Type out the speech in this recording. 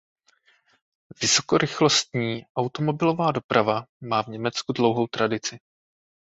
Vysokorychlostní automobilová doprava má v Německu dlouhou tradici.